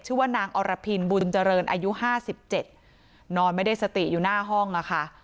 ชื่อว่านางอรพินบุญเจริญอายุห้าสิบเจ็ดนอนไม่ได้สติอยู่หน้าห้องอะค่ะ